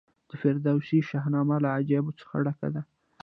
د فردوسي شاهنامه له عجایبو څخه ډکه ده.